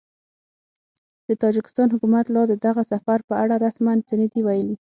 د تاجکستان حکومت لا د دغه سفر په اړه رسماً څه نه دي ویلي